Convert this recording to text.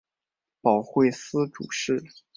保惠司主事。